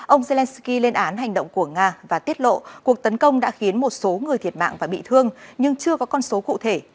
ông zelensky lên án hành động của nga và tiết lộ cuộc tấn công đã khiến một số người thiệt mạng và bị thương nhưng chưa có con số cụ thể